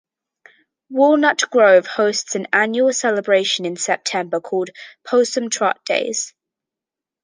Walnut Grove hosts an annual celebration in September called 'Possum Trot Days.